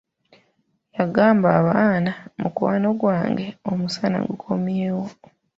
Yagamba abaana, mukwano gwange, omusana gukomyeewol!